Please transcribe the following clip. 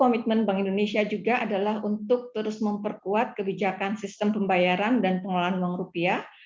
komitmen bank indonesia juga adalah untuk terus memperkuat kebijakan sistem pembayaran dan pengelolaan uang rupiah